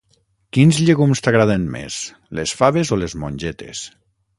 Quins llegums t'agraden més, les faves o les mongetes?